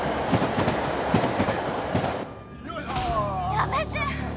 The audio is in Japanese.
やめて。